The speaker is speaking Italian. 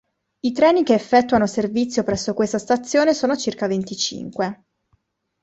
I treni che effettuano servizio presso questa stazione sono circa venticinque.